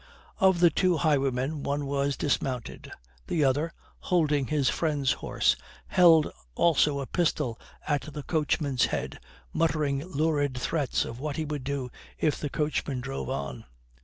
Of the two highwaymen one was dismounted. The other, holding his friend's horse, held also a pistol at the coachman's head, muttering lurid threats of what he would do if the coachman drove on.